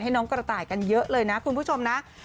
น้องกระต่ายกันเยอะเลยนะคุณผู้ชมนะ